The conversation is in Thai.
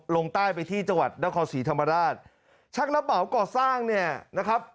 ลงใต้ไปที่จังหวัดนครศรีธรรมราชช่างรับเหมาก่อสร้างเนี่ยนะครับ